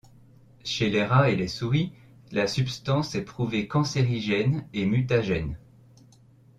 Chez les rats et les souris, la substance est prouvée cancérigène et mutagène.